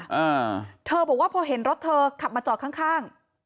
อ่าเธอบอกว่าพอเห็นรถเธอขับมาจอดข้างข้าง